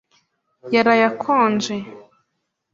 Yaraye akonje.